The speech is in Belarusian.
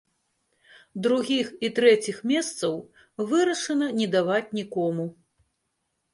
Другіх і трэціх месцаў вырашана не даваць нікому.